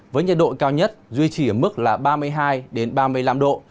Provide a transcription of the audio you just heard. với nhiệt độ cao nhất duy trì ở mức là ba mươi hai ba mươi năm độ